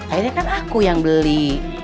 akhirnya kan aku yang beli